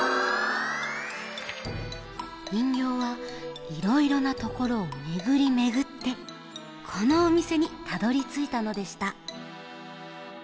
にんぎょうはいろいろなところをめぐりめぐってこのおみせにたどりついたのでした。